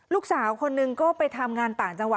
ลูกสาวคนนึงก็ไปทำงานต่างจังหวัด